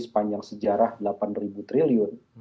sepanjang sejarah delapan triliun